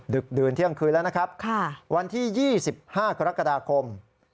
ดึกดื่นเที่ยงคืนแล้วนะครับวันที่๒๕กรกฎาคม